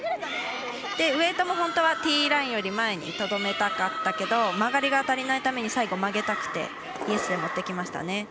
ウエイトも本当はティーラインより前にとどめたかったけど曲がりが足りないために最後曲げたくて技術で持っていきましたね。